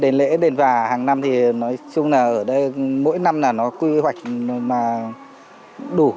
đến lễ đền và hàng năm thì nói chung là ở đây mỗi năm là nó quy hoạch mà đủ